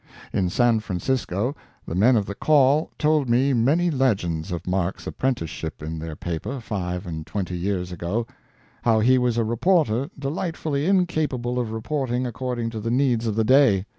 In San Francisco the men of The Call told me many legends of Mark's apprenticeship in their paper five and twenty years ago; how he was a reporter delightfully incapable of reporting according to the needs of the day.